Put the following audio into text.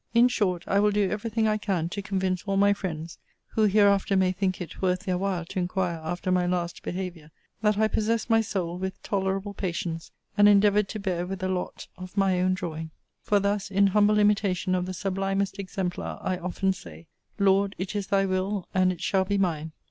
In short, I will do every thing I can do to convince all my friends, who hereafter may think it worth their while to inquire after my last behaviour, that I possessed my soul with tolerable patience; and endeavoured to bear with a lot of my own drawing; for thus, in humble imitation of the sublimest exemplar, I often say: Lord, it is thy will; and it shall be mine.